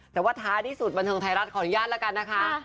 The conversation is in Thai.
แต่ว่าท้านิดสุดบรรทางไทยรัฐขวัญญาติแล้วกันนะคะ